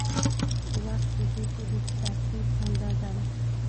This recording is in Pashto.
وخت د پېښو د ترتیب اندازه ده.